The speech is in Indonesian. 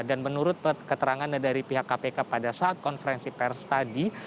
dan menurut keterangan dari pihak kpk pada saat konferensi pers tadi